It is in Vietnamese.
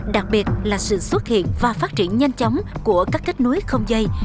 đặc biệt là sự xuất hiện và phát triển nhanh chóng của các kết nối không dây